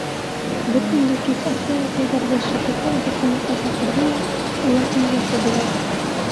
Бер көндө кис атай-әсәйҙәрҙе Шәһиҙә әбей ҡунаҡҡа саҡырҙы ла, улар төнгә ҡалдылар.